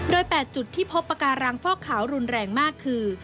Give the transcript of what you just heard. ๘จุดที่พบปากการังฟอกขาวรุนแรงมากคือ